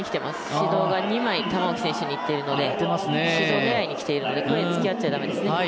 指導が２枚玉置選手にいっているので指導狙いにきているのでここはつきあっちゃ駄目です。